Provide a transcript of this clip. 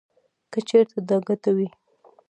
کـه چـېرتـه دا ګـټـه وې.